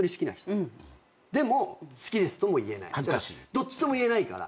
どっちとも言えないから。